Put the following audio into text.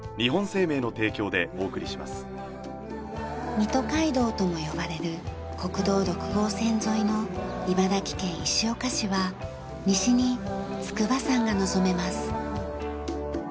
「水戸街道」とも呼ばれる国道６号線沿いの茨城県石岡市は西に筑波山が望めます。